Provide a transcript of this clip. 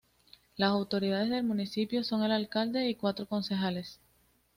Las autoridades del municipio son el alcalde y cuatro concejales.